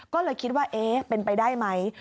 ก็เลยคิดว่าเอ๊ะเป็นไปได้ไหม